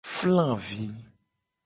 Flavi.